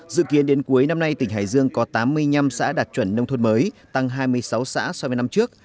dự kiến đến cuối năm nay tỉnh hải dương có tám mươi năm xã đạt chuẩn nông thôn mới tăng hai mươi sáu xã so với năm trước